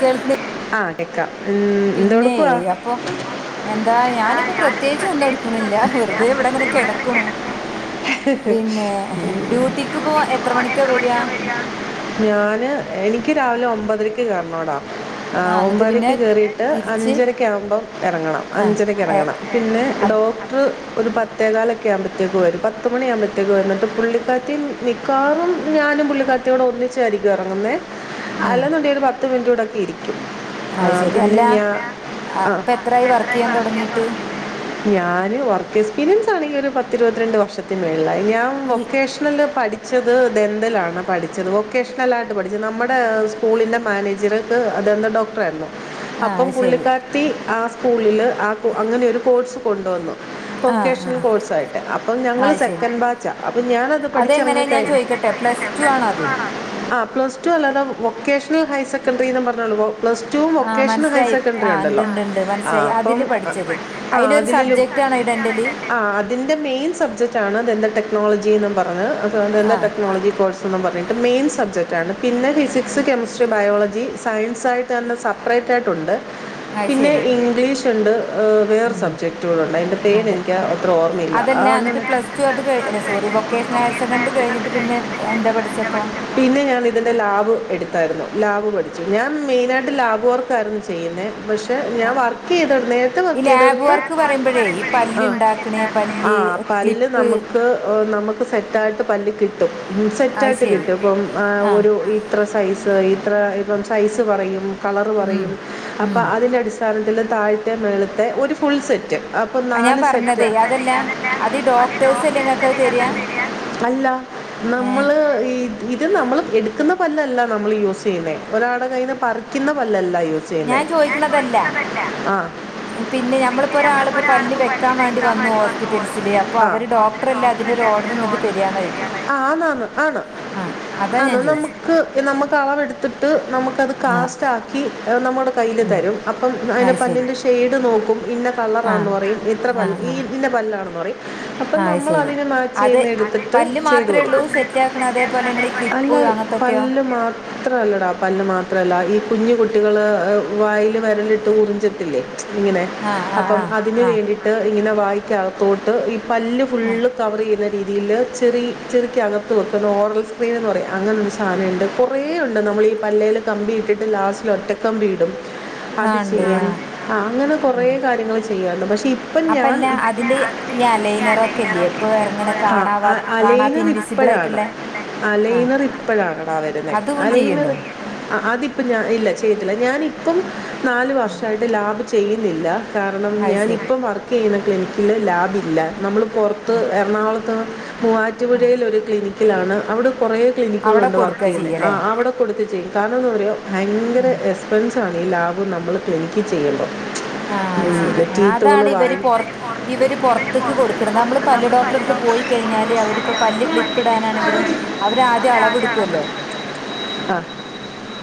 കേൾക്ക്ണ് ആഹ് കേക്കാം ഉം പിന്നെ എന്തെടുക്കുവാ അപ്പൊ എന്താ ഞാനിപ്പോ പ്രത്യേകിച്ചൊന്നു എടുക്കണില്ല വെറുതെ ഇവിടെ ഇങ്ങനെ കെടക്ക്ണു പിന്നെ ഡ്യൂട്ടിക്ക് പ്പൊ എത്രമണിക്ക വര ഞന് എനിക്ക് രാവിലെഒ മ്പതരക്ക് കേറണോടാ ആ ആഹ് എന്നിട്ട് പിന്നെ ഒമ്പരക്ക്‌ കേറിയിട്ട് തിരിച്ച് അഞ്ചര ക്കാകുമ്പോ എറങ്ങണം. ആ അഞ്ചരയ്ക്ക് ഏ എറങ്ങണം പിന്നെ അത് ഡോ ഹ് ഒരുപത്തേകാലൊക്കെ ആകുമ്പഴത്തേക്കും വരും പത്ത് മണിയാകുമ്പോഴത്തേക്ക് വന്നിട്ട് പുള്ളിക്കാരത്തിം മിക്കവാറും ഞാനും പുള്ളിക്കാര്ത്തിം കൂടെ ഒന്നിച്ചായിരിക്കും എറങ്ങുന്നെ ഉം അല്ലന്നുണ്ടെങ്കി ഒരു പത്ത്മിനിറ്റ് കൂടെക്കെയിരിക്കും. അത് ആഹ് ശരി പിന്നെ അല്ല ഞാ ആ, ആഹ് ഇപ്പൊ എത്രായി വർക്ക് ചെയ്യാൻ തുടങ്ങിയിട്ട് ഞാന് വർക്കെക്സ്പീരിയൻസാണെങ്കി ഒരു പത്തിരുപത്തിരണ്ട് വർഷത്തിന് മേൾളായി. ഞാൻ ഈ വൊക്കേഷ് [unintelligible] പഠിച്ചത് ദന്തലാണ് പഠിച്ചത്. വൊക്കേഷ് ഷണലായിട്ട് പഠിച്ച്, നമ്മുടെ സ്കൂളിൻ്റെ മാനേജർക്ക് ദന്ത ഡോക്ടറായിരുന്നു. ആ അപ്പം അത് ശരി പുള്ളിക്കാര്ത്തി ആ സ്കൂളില് ആ അങ്ങനെ ഒരു കോഴ്സ് കൊണ്ടുവന്നു ആ ആ വൊക്കേഷണൽ കോഴ്സായിട്ട്. അപ്പം ആ ഞങ്ങള് അത് ശരി സെക്കൻഡ് ബാച്ചാ, അപ്പൊ ഞാനത് അതെങ്ങനെ പഠിച്ചെറങ്ങിക്കഴിഞ്ഞ് [unintelligible] പ്ലസ് ടു ആണൊ അത് ആഹ് പ്ലസ്ടു അല്ലാതെ വൊക്കേഷണൽ ഹയർ സെക്കൻഡറീന്ന് പറഞ്ഞോ [unintelligible] പ്ലസ്ടുവും ആ വൊക്കേഷണൽ ഹയർ മനസ്സിലായി ആ സെക്കൻഡറി ഉണ്ട് ഉണ്ടല്ലോ, ഉണ്ട് ഉണ്ട് ആ മനസ്സിലായി അപ്പം അതില് അ പഠിച്ചത് ആഹ് അതിലൊരു അതില് ല് സബ്ജക്റ്റ് ആണോ ഇടണ്ടല് ആഹ് അ തിന്റെ മെയിൻ സബ്ജക്റ്റാണ് ദന്ത ടെക്നോളജീന്നും പറഞ്ഞ്, അ ദന്ത ആ ടെക്നോളജി കോഴ്സ് ന്നും പറഞ്ഞിട്ട് മെയിൻ സബ്ജക്റ്റാണ്. പിന്നെ ഫിസിക്സ്, കെമിസ്ട്രി, ബയോളജി സയൻസായിട്ട് തന്നെ സപ്പ്റേറ്റായിട്ടുണ്ട്. അത് പിന്നെ ശരി ഇംഗ്ലീഷുണ്ട് ഏഹ് വേറെ ഉം സബ്ജക്റ്റൂടൊണ്ട്. അയ്ൻ്റെ പേര് അതെ എനിക്ക് അത്ര ഓർമ്മയില്ല. ആ അതല്ല [unintelligible] [unintelligible] സോറി. വൊക്കേഷണൽ ഹയർ സെക്കൻഡറി കഴിഞ്ഞിട്ട് പിന്നെ എന്താ പഠിച്ചപ്പോ? പിന്നെ ഞാൻ ഇതിൻ്റെ ലാബ് എടുത്തായിരുന്നു. ലാബ് പഠി ഞാൻ മെയിനായിട്ട് ലാബ് വർക്കായിരുന്നു ചെയ്യുന്നെ പക്ഷെ, അ, ഞാൻ വർക്കെയ്തട് നേര്ത്തെ ഈ ലാബ് വർക്കെയ്തട്ത്ത് വർക്ക് പറയുമ്പോഴേ ഈ പല്ല് ആഹ് ഉണ്ടാക്കണേ പല്ല് ആഹ് പല്ല് ക്ലിപ്പ് നമുക്ക് നമുക്ക് ക്ക് സെറ്റായിട്ട് പല്ല് കിട്ടും. അത് സെറ്റായിട്ട് ശരി കിട്ടും, ഇപ്പം ഏഹ് ആ ഒരു ഈ ത്ര സൈസ് ഇത്ര ഇപ്പം സൈസ് പറയും, കളറ് ഉം പറയും. അപ്പ ഉം അതിന്റെ അടിസ്ഥ ഫ്രണ്ടിലെ താഴ്ത്തെ മേള്ത്തെ ഒരു ഫുൾ സെറ്റ് അപ്പൊ ആ ഞാൻ നാല് സെറ്റ് പറഞ്ഞതേ അതല്ല അത് ഈ ഡോക്ടേഴ്സ് അല്ലേ നിങ്ങൾക്ക് അത് തരിക അല്ല. ഏ നമ്മള് ഇ ഇത് നമ്മള് എടുക്കുന്ന പല്ലല്ല നമ്മളാ യൂസെയ്യ്ന്നേ ഒരാൾടെ കയന്ന് പറിക്ക്ന്ന പല്ലല്ല യൂസ് ചെയ്യുന്നേ, ഞാൻ ചോദിക്കണതല്ല ആഹ് പിന്നെ നമ്മളിപ്പൊ ഒരാളിപ്പോ പല്ല് വെക്കാൻ പഠിച്ചിട്ട് മാണ്ടി എക്സാം വന്നു ആയിട്ട് ഹോസ്പിറ്റൽസില്, അപ്പൊ ആ. അവര് ഡോ ക്ടറല്ലെ ഡോക്ടറൊക്കെ അതിന്റൊരോഡ്റ് അതിനൊരു ഇങ്ങക്ക് ഓർഡർ തെ രുന്ന ചോയ്ക്ക്ണ്, ശരിയാവാൻ ആ ആന്നാന്ന് ആണ് ഉം അതാ ഞാൻ ആണ് ചോദിച്ചത് നമുക്ക് നമുക്കളവെടുത്തിട്ട് നമ്ക്കത് ആ കാശാക്കി നമ്മുടെ കയ്യിൽ ഉം തരും. അപ്പം അയ്ന്റെ അത് ശരി പല്ലിന്റെ ചെയ്ത് നോക്കും, ഇന്ന ആ കളറാന്ന് പറയും, ഇത്ര ആ നല്ല് ഈ ആ ഇതിന്റെ പല്ലാണെന്ന് പറയും. അപ്പം ആ അത് നമ്മൾ ശരി അതിനെ മാറ്റ അത് [unintelligible] എടുത്തിട്ട് പല്ല് ചെയ്ത് മാത്രമേ ഉള്ളൂ കൊടുക്കും. സെറ്റ് ആക്കണ അതേപോലെ നിങ്ങൾ ഈ ക്ലിപ്പ് അല്ലാ അങ്ങനത്തൊക്കെയോ പല്ല് മാ ത്ര അല്ലടാ പല്ല് മാത്രല്ല, ഈ കുഞ്ഞു കുട്ടികള് വായില് വെരലിട്ട് ഉറിൻജിട്ടില്ലേ ഇങ്ങനെ. ആ ആ അപ്പം ആ അതിന് ആ വേണ്ടിയിട്ട്, ഇങ്ങനെ വായിക്കകത്തോട്ട് ഈ പല്ല് ആ ഫുള്ള് കവർ ചെയ്യുന്ന രീതിയില്, ചെറി, ചെറിയ്ക്കകത്ത് വെക്കുന്ന ഓറൽ സ്ക്രീൻ എന്ന് പറയും, അങ്ങനൊ ആഹ് അതേണ്ട്. കൊറേ ഉണ്ട് നമ്മള് ഈ പല്ലേല് കമ്പി ഇട്ടിട്ട്, ലാസ്റ്റില് ഒറ്റക്കമ്പി ഇടും ആ അത് ഉണ്ട് ആ ചെയ്യണം. ആഹ് അങ്ങനെ കൊറേ കാര്യങ്ങള് ചെയ്യാന്ണ്ട്, പക്ഷെ ഇപ്പം ഞാൻ അപ്പല്ല, പിന്നെ അതിന്റെ അതില് ഈ അലൈനറൊക്കെല്ലേ ഇപ്പോ എർങ്ങ്ണെ ആ കാണാവാത് കാണാത്ത ഇൻവിസ് സിബിളായിട്ട്ള്ളെ അലൈനറിപ്പഴാണെടാ വര്ന്നെ. അതും ചെയ്യണ്ടോ അലൈനറ് അ അതിപ്പം ഞാൻ ഇല്ല ചെയ്യത്തില്ല, ഞാനിപ്പം നാല് ആ വർഷായിട്ട് ലാബ് ചെയ്യുന്നില്ലാ കാരണം, അത് ശരി ഞാനിപ്പം വർക്ക് ചെയ്യുന്ന ക്ലിനിക്കില് ലാബില്ല. നമ്മള് ആ പുറത്ത് എറണാകുള [unintelligible] ആ മൂവാറ്റുപുഴേല്ഒരു ക്ലിനിക്കിലാണ്, അവിടെ കൊറേ അവിടെ ക്ലിനിക്കുകളുണ്ട് കൊടുക്കുക വർക്കെയ്യുന്നെ. ആ ചെയ്യല്ലേ അവിടെ കൊടുത്ത് ചെയ്യും, കാരണെന്താന്നറിയൊ ഭയങ്കര ഉം എസ് പെൻസാണ് ഈ ലാബ് നമ്മളാ ക്ലിനിക്കി ചെയ്യുംബൊ ആഹ് അത് ശരി. ആ അതാണ് ഇവര് പൊർ പുറത്ത് ഇവര് പൊർത്ത്ക്ക് പുറത്തുനിന്ന് കൊടുക്ക്ണ്, നമ്മള് കൊടുക്കുന്നത് പല്ല് നമ്മൾ പല ഡോക്ടർ ത്ത് ഡോക്ടറെ പോയിക്കഴിഞ്ഞാല്, അവരിപ്പൊ പല്ല് അവര് പിടിച്ച് ക്ലിപ്പിടാനാണെങ്കിലും അവര് ആദ്യ അളവ് ഇട്ക്കൊല്ലോ. ആഹ്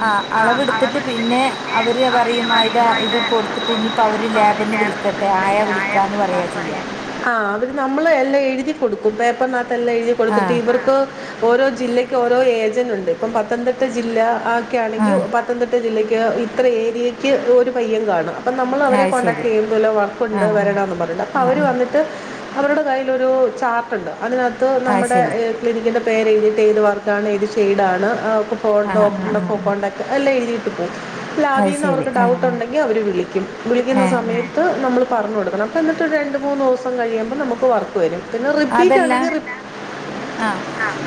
ആഹ് അളവെടുത്തിട്ട് പിന്നെ അവര് അവർ പറയും ആയത ഇത് കൊടുത്തിട്ട് ഇനി ഇപ്പോ അതിൻ്റെ അവര് അവർ ലാബ്ന്ന് വിളിക്കട്ടെ ആയാ വിളിക്കാ എന്ന് പറയാ ചെയ്യാ ആഹ് അവര് നമ്മള് എല്ലാം എഴുതി കൊടുക്കും പേപ്പറിനകത്ത് എല്ലാം എഴുതി കൊടുത്തിട്ട് ആഹ് ഇവർക്ക് ഓരോ ജില്ലക്ക് ഓരോ ഏജന്റ് ഉണ്ട് ഇപ്പം പത്തനംതിട്ട ജില്ല ആക്കെ ആണെങ്കിൽ ആഹ് പത്തന നത്തിട്ടക്ക് ഇത്ര ഏരിയക്ക്‌ ഇത്ര ഒരു പയ്യൻ കാണും അപ്പം നമ്മൾ അവരെ അത് കോണ്ടാക്ട് ശരി ചെയ്യുമ്പല്ലൊ വർക്കുണ്ട് ആഹ് ആഹ് വരണ എന്ന് പറഞ്ഞ്ട്ട് അപ്പോം ആഹ് അവർ ആഹ് വന്നിട്ട് അവരുടെ കയ്യിലൊരു ചാർട്ടുണ്ട് അതിനകത്ത് അത് നമ്മുടെ ശരി ബിൽഡിംഗിന്റെ പേരഴ്തിട്ട് ഏത് വർക്കാണ് ഏത് ഷെയ്ഡാണ് ഒക്കപ്പാറ ആഹ് ആഹ് ആഹ് ആഹ് [unintelligible] അലേ അത് ലാബിന്ന് ശരി അവർക്ക് ആഹ് ഡൗട്ട്ണ്ടെങ്കിൽ അവര് വിളിക്കും വിളിക്കുന്ന ഏഹ് ആഹ് സമയത്ത് നമ്മൾ പറഞ്ഞു കൊടുക്കണം അപ്പോം എന്നിട്ട് രണ്ട് മൂന്ന് ദിവസം കഴിയുമ്പം നമുക്ക് വർക്ക് വരും പിന്നെ റിപ്പീറ്റ് അതല്ല ആണെങ്കിൽ റിപ്പ് ആഹ്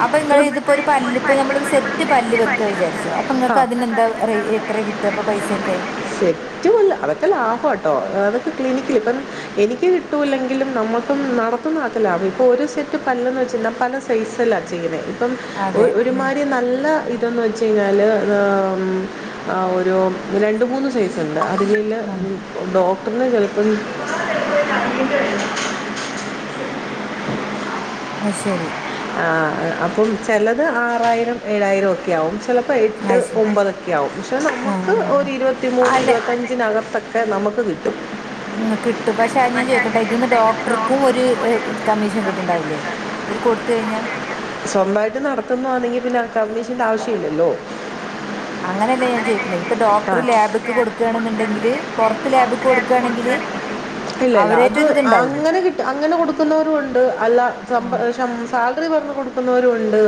അപ്പൊ ഇങ്ങള് റിപ്പ് ഇതിപ്പോ ഒരു പല്ല് ഇപ്പ നമ്മളൊ ഒരു സെറ്റ് പല്ല് വെക്ക വിചാരിച്ചോ വെക്കുന്നുണ്ട്. അപ്പ ആ നിങ്ങൾക്ക് അതൊക്കെ അതിനെന്താ അതിലുണ്ടാവുന്ന എത്ര കിട്ട അപ്പ പൈസൊക്കെ റ്റു അല്ല അതൊക്കെ ലാഭം ആട്ടോ അതൊക്കെ ക്ലിനിക്കിൽ ഇപ്പൊ എനിക്ക് കിട്ടൂല്ലെങ്കിലും നമ്മൾക്കും നട ഇപ്പ മാത്രല്ല ഇപ്പൊ ഒരു സെറ്റ് പല്ലന്ന് വെച്ച കഴിഞ്ഞാൽ പല സൈസില ചെയ്യ്ന്നേ അപ്പം അതെ ആഹ് ഒരുമായിരി നല്ല ഇതൊന്ന വെച്ച പിന്നെ അയിൽ ഏഹ് അഹ് ഒരു രണ്ട് മൂന്ന് സൈസുണ്ട് അതിലിൽ ആഹ് ഡോക്ടറിന് ചെലപ്പം അയ് ശരി ആഹ് ആഹ് അപ്പം ചേലത് ചിലത് ആറായിരം ഏഴായിരം ഒക്കെ ആവും ചെലപ്പോ എട്ട് അത് ശരി ഒമ്പതൊക്കെ ആവും പക്ഷേ ആഹ് നമ്മുക്ക് ആഹ് ആഹ് ഒരു ഇരുപത്തി മൂന്ന് അല്ല ഇരുപത്തഞ്ച് തിന് അകത്തോക്കെ നമുക്ക് കിട്ടും ഇങ്ങകിട്ടും പക്ഷെ അഹ് ഞാൻ അതിന് ചോദിക്കട്ടെ ഇതിന്ന് ഇതിലേക്ക് ഡോക്ടർ ക്കും ലോങ്ങും ഒരു കമ്മീഷൻ കിട്ടുണ്ടാവില്ലേ ഇവർ കൊടുത്ത് കഴിഞ്ഞാ സ്വന്തമായിട്ട് നടത്തുന്ന ആണെങ്കി പിന്നെ കമ്മീഷന്റെ ആവശ്യം ഇല്ലല്ലോ അങ്ങനെ അല്ല ഞാൻ ചോയി ക്ക്ണ് ഇപ്പൊ ആ. ഡോക്ടർ ലാബ്ക്ക് കൊടുക്കാണെന്നുണ്ടെങ്കില് പുറത്ത് ലാബ്ക്ക് കൊടുക്കാണെങ്കില് ഇല്ല ഇല്ല അത് അങ്ങനെ കിട്ട അങ്ങനെ കൊടുക്കുന്നവരും ഉണ്ട് അല്ല ശംബ ആഹ് ശം സാല സാലറി പറഞ്ഞ് കൊടുക്കുന്നവരു ഉണ്ട്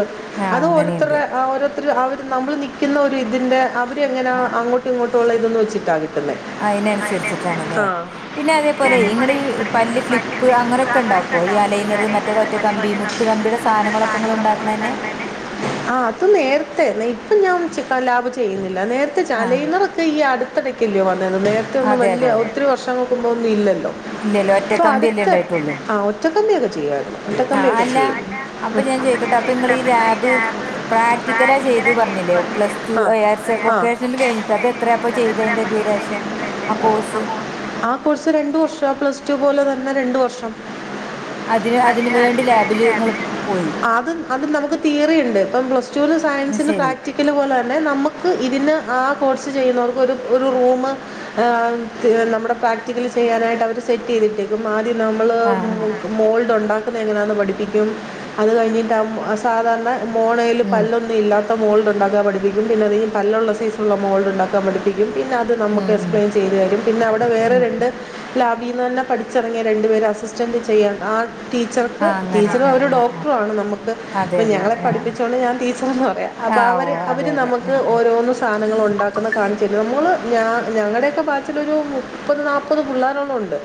ആഹ് അത് അങ്ങനെയുണ്ട് ഓരോരുത്തരെ ആഹ് ഒരു ഒരു അവർ നമ്മൾ നിൽക്കുന്ന ഒരു ഇതിൻ്റെ അവര് എങ്ങനെയാ അങ്ങോട്ടും ഇങ്ങോട്ടും ഉള്ള ഇതൊന്ന് വെച്ചിട്ടാണ് കിട്ടുന്നത് അയ്ന് അനുസരിച്ചിട്ടാണല്ലേ. ആ പിന്നെ അതേപോലെ ഇങ്ങളി പല്ല് ക്ലിപ്പ് അങ്ങനെയൊക്കെ ഉണ്ടാക്ക ക്കോ ഈ അലൈനർ മറ്റേ ഒറ്റ കമ്പി മുത്തുകമ്പിയുടെ സാധനങ്ങളൊക്കെ നിങ്ങൾ ഉണ്ടാക്കണ തന്നെ ആഹ് അത് നേരത്തെ ഇപ്പം ഞാൻ ഒന്നു ലാബ് ചെയ്യുന്നില്ല നേരത്തെ ച ആഹ് അലയിനർ ക്കെ ഇപ്പ ഈ അടുത്തിടക്കല്ലയോ വന്നത് നേരത്തെ ഒന്നും അതെ അതെ വലിയ അതെ ഒത്തിരി വർഷങ്ങൾക്ക് മുമ്പൊന്ന് ഇല്ലല്ലോ ഇല്ലല്ലോ ഇപ്പൊ ഒറ്റക്കമ്പിയല്ലേ അടുത്ത് ഇണ്ടായിട്ടുള്ളൂ ആഹ് ഒറ്റക്കമ്പിയൊക്കെ ചെയ്യുവായിരുന്നു ആഹ് ഒറ്റക്കമ്പിയൊക്കെ അല്ല ചെയ്യ്ത് അപ്പൊ ഞാൻ ചോയിക്കട്ടെ അപ്പൊ ങ്ങളീ ഈ ലാബ് പ്രാക്ടിക്കലാ ചെയ്ത് പറഞ്ഞില്ലേ പ്ലസ് ടു ഹയർ സെക്കൻ ആ ഒക്കെ ഇത് കഴിഞ്ഞിട്ട് റിമോട്ടായിട്ട് അത് എത്രയാ അപ്പ ചെയ്തിട്ട് അപ്പൊ ചെയ്തതിന്റെ ഡ്യൂറേഷൻ ആഹ് കോഴ്സ് ആഹ് കോഴ്സ് രണ്ട് വർഷ പ്ലസ് ടു പോലെ തന്നെ രണ്ട് വർഷം അതിന് അതിന് വേണ്ടി ലാബില് ഇങ്ങള് പോയി അത് അത് നമുക്ക് തീയറിണ്ട് ഇപ്പം പ്ല സ് ടൂന് ഉം, സയൻസിന് ശരി പ്രാക്ടിക്കല് പോലെ തന്നെ നമുക്ക് ഇതിന് ആഹ് കോഴ്സ് ചെയ്യുന്നവർക്ക് ഒരു ഒരു റൂമ് ഏഹ് നമ്മുടെ പ്രാക്ടി ക്കൽ ചെയ്യാനായിട്ട് അവർ സെറ്റ് ചെയ്തിട്ടേക്കും ആദ്യം നമ്മൾ ആഹ് ആഹ് മോൾഡ് ഉണ്ടാക്കുന്നത് എങ്ങനെയെന്ന് പഠിപ്പിക്കും അത് കഴിഞ്ഞിട്ട് ആഹ് സാധാരണ മോണൽ ഉം പല്ല് ഇല്ലാത്ത മോൾഡ്ണ്ടാക്കൻ പഠിപ്പിക്കും. പിന്നെ അത് കഴിഞ്ഞ് പല്ലുള്ള സൈ സുള്ള മോൾഡ് ഉണ്ടാക്കാൻ പഠിപ്പിക്കും പിന്നെ അ ത് നമുക്ക് ഉം ഉം എക്സ്പ്ലെയിൻ ചെയ്തു തരും പിന്നെ അവിടെ വേറെ ഉം രണ്ട് ഉം ലാബിന്ന് തന്നെ പഠിച്ചിറങ്ങിയ രണ്ടു പേർ അസിസ്റ്റൻറ് ചെയ്യാൻ ആഹ് ടീച്ചർക്ക് ആഹ് അങ്ങനെ ടീച്ചറും അവർ ആഹ് ആഹ് ആഹ് ഡോക്ടറു ആണ് നമുക്ക് അതെ അപ്പം അതെ ഞങ്ങളെ ആഹ് പഠിപ്പിച്ചുകൊണ്ട് ഞാൻ ടീച്ചർന്ന് പറയാം അപ്പൊ ആഹ് ഓ അവര് അതെ അവര് അതെ നമുക്ക് ആഹ് ആഹ് ഓരോന്നു സാധനങ്ങൾ ഉണ്ടാക്കുന്ന കാണിച്ചുതരും നമ്മൾ ഞൻ ഞങ്ങളുടെയൊക്കെ ബാച്ചിലൊരു മുപ്പത് നാൽപ്പത് പിള്ളോ ഓളം ഉണ്ട്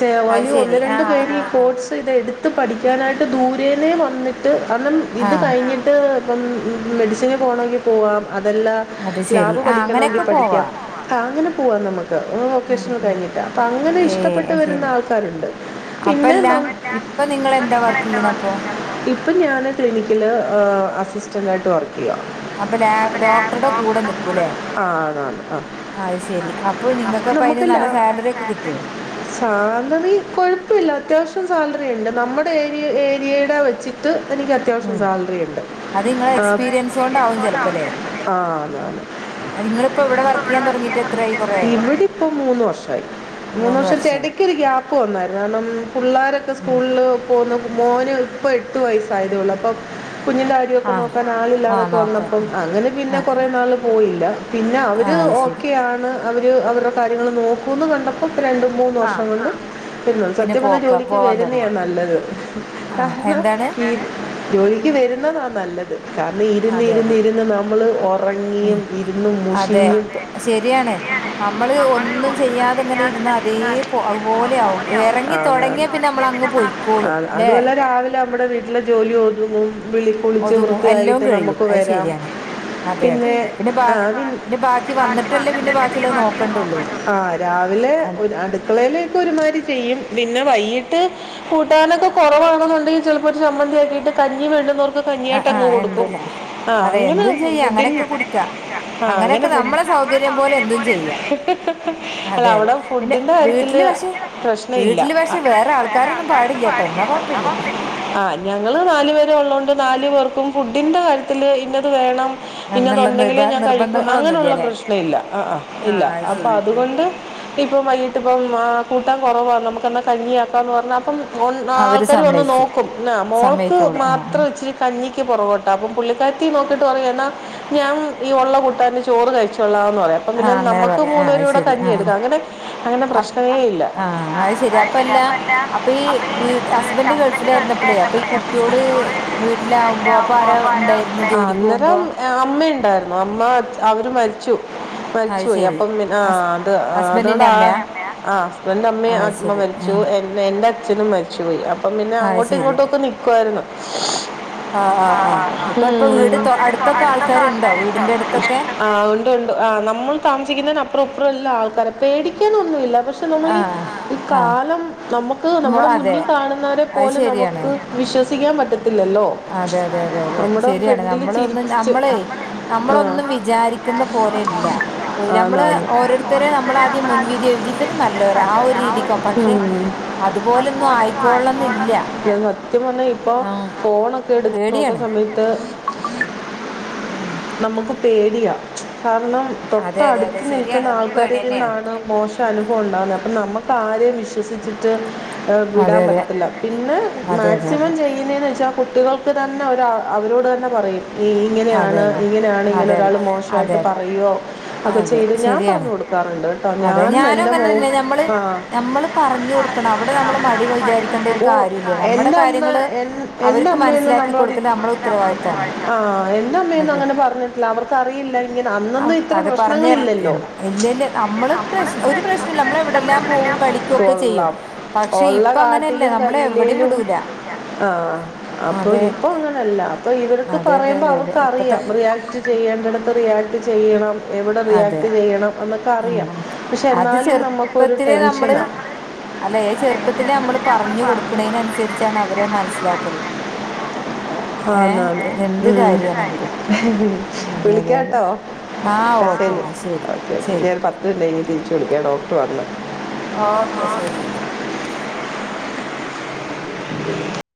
ചേ അത് ശെരി ഒന്ന് രണ്ടു ആഹ് പേര് ഈ ആഹ് ആഹ് കോഴ്സ് പ ഇതെടുത്ത് പഠിക്കാനായിട്ട് ദൂരേന്നെ വന്നിട്ട് അന്നം ഇത് ആഹ് കഴിഞ്ഞി ട്ട് മെഡിസിന് പോകണമെങ്കിൽ പോവാം അതല്ലാ അത് ശെരി ലാബ് ആഹ് പഠിക്കണമെങ്കിൽ അങ്ങനെയൊക്കെ പോവാ പഠിക്കാം അങ്ങനെ പോവാ നമുക്ക് ഉം വൊക്കേഷണൽ ഉം കഴിഞ്ഞ് അപ്പൊ അങ്ങനെ ഇഷ്ടപ്പെട്ട് ഏഹ് വരുന്ന ശെരി ആൾക്കാരുണ്ട് പിന്നെ അപ്പല്ല ന [unintelligible] പ്പോ ഇപ്പം ഞാന് ക്ലിനിക്കില് അസിസ്റ്റന്റായിട്ട് വർക്ക് ചെയ്യുവാ അപ്പൊ ല ഡോക്ടറുടെ കൂടെ നിക്കൂല്ലേ ആ ആണ് ആണ് ആ അയ് ശെരി അപ്പൊ നിങ്ങൾക്ക് അപ്പം അയിന് നമുക്ക് ലാ നല്ല സാലറി ഒക്കെ കിട്ടുവോ സാലറി കൊഴപ്പമില്ല അത്യാവശ്യം സാലറി ഉണ്ട് നമ്മുടെ ഏരി ഏരിയയുടെ വെച്ച് ട്ട് എനിക്ക് അത്യാവശ്യം ഉം സാലറി ഉണ്ട് അത് നിങ്ങളെ ആഹ് എക്സ്പീരിയൻസ് കൊണ്ടാവും ചെലപ്പല്ലേ [unintelligible] ആഹ് അന്ന് അന്ന് അത് നിങ്ങളിപ്പോ ഇവിടെ വർക്ക് ചെയ്യാൻ തുടങ്ങിട്ട് എത്രയായി [unintelligible] കൊറേയായോ ഇവിടിപ്പം മൂന്ന് വർഷായി മൂന്ന് വർഷത്തെ എടക്ക് ഒരു ഗ്യാപ്പ് വന്നാരുന്നു കാരണം പുള്ളാരൊക്കെ ഉം സ്കൂളില് പോന്ന് മോന് ഇപ്പം എട്ട് വയസ്സായതേയുള്ളു അപ്പൊ കുഞ്ഞിനെ ഇതൊക്കെ ആഹ് നോക്കാൻ ആളില്ലാതെ ആഹ് നോക്കാൻ വന്നപ്പം ആഹ് അങ്ങനെ പിന്നെ ആഹ് ഒരാള് പോയില്ല പിന്നെ അവര് ആഹ് അത് ശെരി ഓക്കെയാണ് അവര് അവരുടെ കാര്യങ്ങൾ നോക്കുമന്ന് കണ്ടപ്പോഴാ ഇപ്പം രണ്ടും മൂന്ന് ആഹ് വർഷം കൊണ്ട് വരുന്നു പിന്നെ സത്യം പറഞ്ഞാ പോക്ക ജോലിക്ക് പോവാൻ വരുന്നയാ തുടങ്ങി നല്ലത് ആ കാരണം എന്താണ് ജോലിക്ക് വെരുന്നതാ നല്ലത് കാരണം ഇരുന്ന് അതെ ഇരുന്ന് അതെ ഇരുന്ന് നമ്മള് ഉം അതെ അതെ ശരിയാണ് നമ്മള് ഒന്നും ചെയ്യാതങ്ങനെ ചെയ്യാതെ ഇരുന്ന തന്നെ അതേ ഇരുന്നാ അത് പോ ഏത് അതുപോലെയാവും പോലെയാവും ആണ്, ആണ്. ഇറങ്ങിത്തൊടങ്ങിയാ പിന്നെ തുടങ്ങിയാൽ നമ്മളങ്ങ് നമ്മളങ്ങ് പൊയിക്കോളും ആ, അല്ലെ അതുമല്ല രാവിലെ നമ്മുടെ വീട്ടിലെ ജോലി ഒതുങ്ങും വിളിക്കുളിച്ച് ഒതുങ്ങും എല്ലാം വൃത്തിയായിട്ട് കഴിയും നമുക്ക് അത് വരാം ശരിയാണ് അതെ അതെ പിന്നെ അതെ ബാ ആഹ് പിന്നെ ബാക്കി വന്നിട്ടല്ലേ പിന്നെ ബാക്കിയുള്ളത് നോക്കണ്ടുള്ളൂ [unintelligible] ആഹ് രാവിലെ അത് ഒരു അടുക്കളയിലെ ഒക്കെ ഒരുമാതിരി ചെയ്യും പിന്നെ വൈകിട്ട് കൂട്ടാനൊക്കെ കുറവാണെന്നുണ്ടെങ്കിൽ ചിലപ്പോൾ ഒരു ചമ്മന്തിയാക്കിയിട്ട് കഞ്ഞി വേണ്ടുന്നോർ ക്ക് ആ കഞ്ഞിയായിട്ട് ആ അങ്ങ് കൊടുക്കും എന്തില്ല ആഹ് അതെ അങ്ങന് എന്തും ചെയ്യാം അങ്ങനെയൊക്കെ കുടിക്കാ ആഹ് അങ്ങനെ കു [unintelligible] ചെയ്യാം അല്ല അതെ അവിട അതെ പിന്നെ ഫുഡിന്റെ കാര്യത്തില് വീട്ടില് പക്ഷെ പ്രശ്നം ഇല്ല വീട്ടില് [unintelligible] പക്ഷെ വേറെ ആൾക്കാരൊന്നും പാടില്ല കേട്ടോ എന്നാ കൊഴപ്പില്ല ആഹ് ഞങ്ങള് നാല് പേരെ ഉള്ളോണ്ട് നാല് പേർക്കും ഫുഡിൻ്റെ കാര്യത്തില് ഇന്നത് വേണം പിന്നെ അതു എന്നുള്ള നിർബ ഉണ്ടെങ്കിലേ ഞാൻ കഴിക്കൂ നിർബന്ധങ്ങളൊന്നുമില്ല അങ്ങനെയുള്ള അല്ലെ പ്രശ്നം ഇല്ല ആഹ് ആഹ് ആ ഇല്ല അത് അപ്പം ശരി ആ അതുകൊണ്ട് ആ. ഇപ്പം വൈകിട്ട് ഇപ്പം ആഹ് കൂട്ടാൻ കുറവാ നമ്മുക്കന്നാ കഞ്ഞിയാക്കാം പറഞ്ഞാ അപ്പം. അവര് ആൾക്കാര് വന്ന് സമ്മതിച്ചു നോക്കും മോൾക്ക് സമ്മതിക്കോളൂ ആ ആ മാത്രം ഇച്ചിരി കഞ്ഞിക്ക് പുറകോട്ടാ അപ്പം പുള്ളിക്കാരിത്തി നോക്കിയിട്ട് പറയും എന്നാൽ ഞാൻ ഈ ഉള്ള കൂട്ടാൻ ചോറ് കഴിച്ചുകൊള്ളാ എന്ന് പറയാം അഹ് ആ, പിന്നെ അങ്ങനെ നമ്മുക്ക് പറയും ആ മൂന്നപേരും അത് കൂടെ ശരി ആ ആ കഞ്ഞിയെടുക്കാം അങ്ങനെ അങ്ങനെ അപ്- പ്രശ്നമേ ഇല്ല ആ, അത് ശരി അപ്പൊ അല്ല അപ്പൊ ഈ അപ്പം വീട്ട് വീട്ടിൽ ഹസ്ബന്ഡ് ഹസ്ബൻഡ് ഗൾഫിലായിരുന്നപ്പോളേ അപ്പൊ ഈ ഗൾഫിലായിരുന്നപ്പോഴേ അപ്പം കുട്ടിയോള് കുട്ടിയോട് വീട്ടിലാകുമ്പോ അപ്പൊ ആര ഉണ്ടായത് അന്ന് ജോലിക്ക അന്നരം അമ്മയുണ്ടായിരുന്നു അമ്മ അവര് മരിച്ചു അത് മരിച്ചുപോയി ശരി അപ്പം പിന്നെ ഹസ് ആഹ് അത് ഹസ്ബൻഡിന്റെ അതുകൊണ്ടാ അമ്മയാ ആഹ് എന്റെ ആ അമ്മേം അത് ആമ്മ ശരി ആ മരിച്ചു എ പിന്നെ എന്റെ അച്ഛനും മരിച്ചുപയി അപ്പം പിന്നെ ആ, അത് അങ്ങോട്ടും ശരി ഇങ്ങോട്ടുമൊക്കെ നിക്കുമായിരുന്നു ആ്ഹ് ആ്ഹ് ആഹ് അപ്പൊ ഇപ്പൊ വീട് അടുത്തൊക്കെ ആൾക്കാരുണ്ടോ വീടിന്റെ അടുത്തൊക്കെ ആ ഉണ്ട് ഉണ്ട് ആ നമ്മൾ താമസിക്കുന്നതിന് അപ്പുറം അപ്പുറം എല്ലാം ആൾക്കാര പേടിക്കാനൊന്നുമില്ല പക്ഷെ നമ്മളീ ആഹ് ഈ ആഹ് കാലം നമുക്ക് മൊ നമ്മുടെ അതെ മുന്നിൽ കാണുന്നവരെ അത് പോലും ശരിയാണ് നമുക്ക് വിശ്വസിക്കാൻ പറ്റത്തില്ലല്ലോ അതെ അതെ അതെ അതെ നമ്മുടെ ശരിയാണ് ഫ്രണ്ടിൽ നമ്മള് ഒന്നു ചിരിച്ച് നമ്മളെ ആ നമ്മളൊന്നും വിചാരിക്കുന്ന പോലെ ഇല്ല നമ്മള് ആന്നാന്ന് ഓരോരു ഒരുത്തരേം ഓരോരുത്തരെ നമ്മളാദ്യം നമ്മൾ മുൻ ആദ്യം വിധി എഴുതി ഇവര് വിശ്വസിക്കുന്നത് നല്ലോരാ ആ ഒരു നല്ലവരാ രീതിക്ക പക്ഷെ ഉം. അതുപോലൊന്നും ആയിക്കോളണംന്നില്ല [unintelligible] സത്യം പറഞ്ഞ ഇപ്പൊ ആഹ് ഫോണൊക്കെ എട്ത്ത് നോക്ക്ണ പേടിയാണ് സമയത്ത് ഉം നമുക്ക് പേടിയാ കാരണം അതെ അതെ അതെ തൊട്ടടുത്ത് ശരിയാണ് നിൽക്കുന്ന നമുക്ക് ആൾക്കാരിൽ പേടിയന്നേണ് നിന്നാണ് മോശ അനുഭവം ഉണ്ടാവുന്നത് അപ്പം നമുക്ക് ആരെയും വിശ്വാ വിശ്വസിച്ചിട്ട് അതെ വിടാൻ അതെ പറ്റത്തില്ല പിന്നെ അതെ അതെ മാക്സിമം ചെയ്യുന്നെന്ന് വെച്ചാൽ കുട്ടികൾക്ക് തന്നെ അവര് അവരോട് തന്നെ പറയും അതെ അതെ ഇങ്ങനെയാണ് അതെ ഇങ്ങനെയാണ് ഇങ്ങനെ അതെ ഒരാള് അതെ മോശായിട്ട് അതെ പറയോ അപ്പ അതെ ചെയ്ത് ഞാൻ ശരിയാണ് പറഞ്ഞു കൊടുക്കാറുണ്ട്ട്ടോ ഞാൻ എന്റെ മോ ആഹ് നമ്മള് പറഞ്ഞ് കൊടുക്കണം അവിടെ നമ്മള് മടി വഴി വിചാരിക്കേണ്ട ഒരു വെക്കാൻ ഓ കാര്യം ഇല്ല നമ്മടെ എൻ്റെ അമ്മ കാര്യങ്ങള് എൻ- എൻ്റെ അവര്ക്ക് അമ്മയൊന്നും മനസ്സിലാക്കികൊടുക്കല് നമ്മളോട് അമ്മളെ ഉത്തരവാദിത്താണ് ആഹ് എന്റെ അമ്മെ ഒന്നും അതെ അങ്ങനെ പറഞ്ഞിട്ടില്ല അവർക്കറിയില്ല ഇങ്ങനെ അം അന്നൊന്നും ഇത്ര അത് പറഞ്ഞ് തര പ്രശ്നങ്ങളില്ലല്ലോ ഇല്ല ഇല്ല ഇല്ല നമ്മള് പ്രശ്നം ഒരു പ്രശ്നമില്ല നമ്മള് എവിടെല്ലാം പോവും കളിക്കും ഒക്കെ ചെയ്യും കൊള്ളാം പക്ഷെ ഒള്ള ഇപ്പ അങ്ങനെയല്ല കാട്ടിലും നമ്മളെ എവിടെയും കരിലയിലും വിടൂല ആഹ് അപ്പൊ അതെ ഇപ്പൊ അങ്ങനെയല്ല അപ്പൊ ഇവർക്ക് അതെ അതെ പറയുമ്പോ അതെ അതെ അവർക്ക് ഇപ്പത്തെ അറിയാം റിയാക്ട് ചെയ്യേണ്ടിടത്ത് റിയാക്ട് ചെയ്യണം എവിടെ അതെ റിയാക്ട് ചെയ്യണം എന്നൊക്കറിയാം ഉം പക്ഷെ അത് എന്നാലും നമ്മക്കൊരു ടെൻഷനാ അല്ലെ അത്‌ ചെറുപ്പത്തില് നമ്മള് ചെറുപ്പത്തിലെ പറഞ്ഞു പറഞ്ഞുകൊടുക്ക്ണേന് അൻസരിച്ചാണ് കൊടുക്കുന്നതിനനുസരിച്ചാണ് അവരഹ് അവര് മനസ്സിലാക്കല് മനസ്സിലാക്കുന്നത് ഓഹ് ഏഹ് ആന്നാന്ന് എൻ എന്ത് ഉം. ഒരു കാര്യാണെങ്കിലും കാര്യം അതെ അതെ അതെ വിളിക്കാട്ടോ ആഹ് ഓഹ് ഓക്കേ എന്നാ ശരി ശരി ക്കൾണ്ടെനി തിരിച്ച് വിളിക്ക ഡോക്ടർ പർഞ്ഞാ ഓക്കെ ശരി എന്നാ [unintelligible]